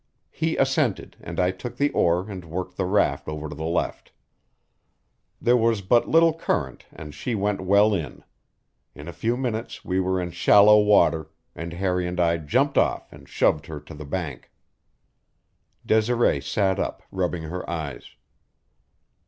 He assented, and I took the oar and worked the raft over to the left. There was but little current and she went well in. In a few minutes we were in shallow water, and Harry and I jumped off and shoved her to the bank. Desiree sat up, rubbing her eyes.